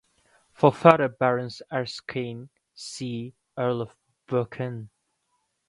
For further Barons Erskine, see "Earl of Buchan".